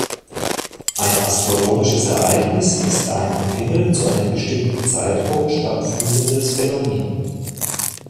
Ein astronomisches Ereignis ist ein am Himmel zu einem bestimmten Zeitpunkt stattfindendes Phänomen.